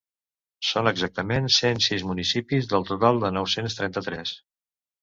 Són exactament cent sis municipis, del total de nou-cents trenta-tres.